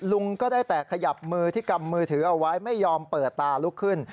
ลุงก็ได้แต่ขยับมือที่กำมือถือเอาไว้ไม่ยอมเปิดตาลุกขึ้น